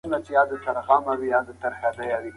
ټولنه درې مهم پړاوونه لري.